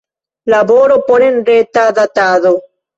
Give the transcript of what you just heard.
Laboro por enreta datado.